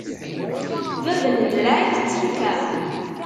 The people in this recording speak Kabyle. Bab n ddreɛ itett nnfeɛ.